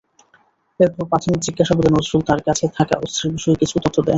এরপর প্রাথমিক জিজ্ঞাসাবাদে নজরুল তাঁর কাছে থাকা অস্ত্রের বিষয়ে কিছু তথ্য দেয়।